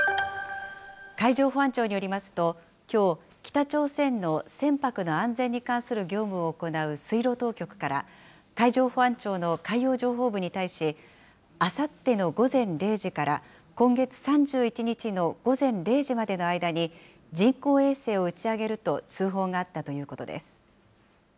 海上保安庁によりますと、きょう、北朝鮮の船舶の安全に関する業務を行う水路当局から、海上保安庁の海洋情報部に対し、あさっての午前０時から今月３１日の午前０時までの間に、人工衛星を打ち上げると通報があったということです。